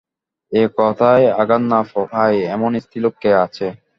এ কথায় আঘাত না পায় এমন স্ত্রীলোক কে আছে।